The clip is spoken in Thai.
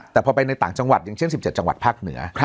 แต่พอไปในต่างจังหวัดอย่างเช่น๑๗จังหวัดภาคเหนือ